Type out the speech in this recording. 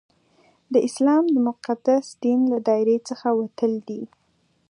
د اسلام د مقدس دین له دایرې څخه وتل دي.